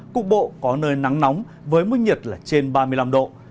cục bộ có nơi nắng nóng với mức nhiệt là trên ba mươi năm độ